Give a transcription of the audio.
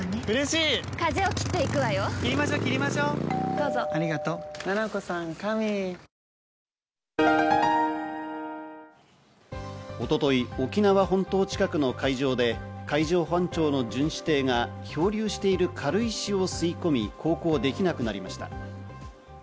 今朝の東京市一昨日、沖縄本島近くの海上で海上保安庁の巡視艇が漂流している軽石を吸い込み、航行できなくなりました。